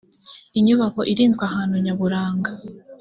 inyubako irinzwe ahantu nyaburanga